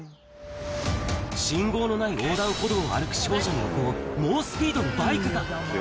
信号のない横断歩道を歩く少女の横を、猛スピードのバイクが。